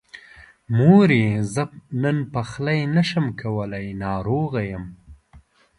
مورې! زه نن پخلی نشمه کولی، ناروغه يم.